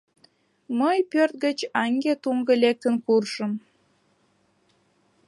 Мый пӧрт гыч аҥге-туҥго лектын куржым.